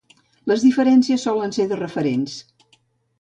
Les diferències solen ser de referents.